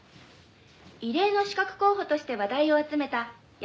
「異例の刺客候補として話題を集めた鑓